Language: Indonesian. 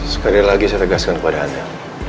sekali lagi saya tegaskan kepada anda